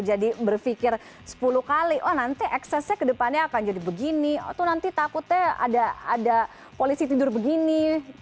jadi berpikir sepuluh kali oh nanti eksesnya ke depannya akan jadi begini itu nanti takutnya ada polisi tidur begini